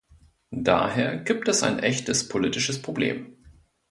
Daher gibt es ein echtes politisches Problem.